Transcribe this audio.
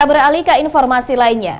kita beralih ke informasi lainnya